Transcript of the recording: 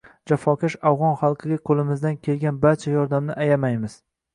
jafokash afg‘on xalqiga qo‘limizdan kelgan barcha yordamni ayamaymiz.